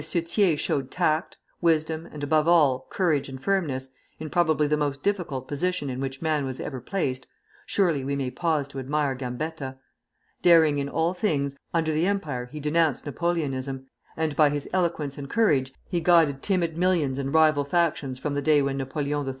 Thiers showed tact, wisdom, and above all courage and firmness, in probably the most difficult position in which man was ever placed, surely we may pause to admire Gambetta.... Daring in all things, under the Empire he denounced Napoleonism, and by his eloquence and courage he guided timid millions and rival factions from the day when Napoleon III.